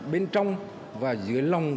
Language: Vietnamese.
bên trong và dưới lòng